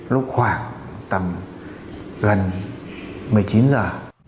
lúc khoảng tầm gần một mươi chín giờ